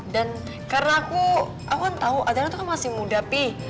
dan karena aku aku kan tau adriana itu kan masih muda pi